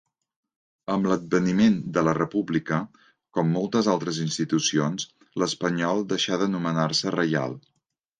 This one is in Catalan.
Amb l'adveniment de la República, com moltes altres institucions, l'Espanyol deixa d'anomenar-se Reial.